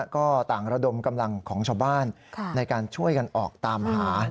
ก็ต่างระดมกำลังของชาวบ้านในการช่วยกันออกตามหา